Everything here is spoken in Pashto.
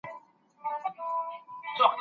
دا چي تاسي راته وایاست دا بکواس دی